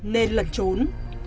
nên lần trốn